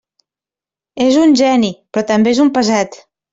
És un geni, però també és un pesat.